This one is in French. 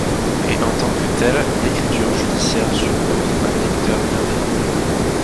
Et en tant que telle, l’écriture judiciaire suppose un lecteur bienveillant.